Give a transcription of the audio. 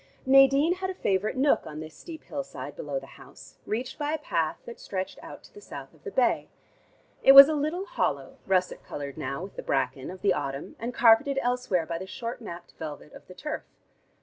Nadine had a favorite nook on this steep hillside below the house, reached by a path that stretched out to the south of the bay. It was a little hollow, russet colored now with the bracken, of the autumn, and carpeted elsewhere by the short napped velvet of the turf.